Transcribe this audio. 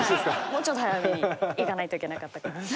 もうちょっと早めにいかないといけなかったかな。